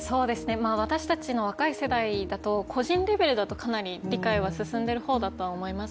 私たちの若い世代だと個人レベルだとかなり理解は進んでいる方だと思います。